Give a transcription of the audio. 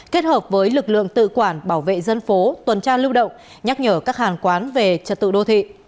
kết hợp với lực lượng tự quản bảo vệ dân phố tuần tra lưu động nhắc nhở các hàn quán về trật tự đô thị